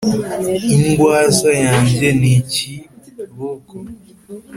Indwaza yanjye ni ikiboko